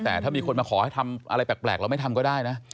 แต่ถ้ามีคนมาขอให้ทำอะไรแปลกเราไม่ทำก็ได้นะ